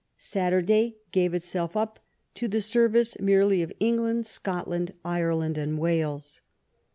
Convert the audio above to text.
Saturday gave itself up to the service merely of England, Scotland, Ire land, and Wales.